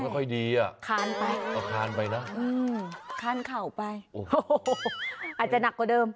เข้าไม่ค่อยดีนักกว่าเดิม